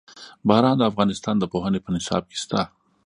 باران د افغانستان د پوهنې په نصاب کې شته.